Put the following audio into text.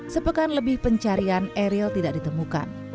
sepekan lebih pencarian eril tidak ditemukan